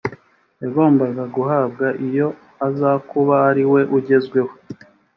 yagombaga guhabwa iyo azakuba ari we ugezweho